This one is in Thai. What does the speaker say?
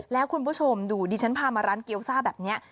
แล้วคุณผู้ชมดูดิฉันพามาร้านเกี๊ยวซ่าแบบนี้